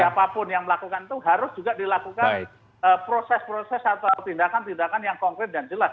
siapapun yang melakukan itu harus juga dilakukan proses proses atau tindakan tindakan yang konkret dan jelas